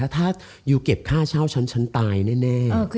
ถ้ายูเก็บค่าเช่าฉันฉันตายแน่